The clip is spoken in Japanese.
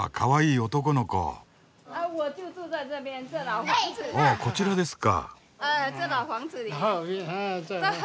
おおこちらですか。